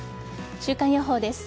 週間予報です。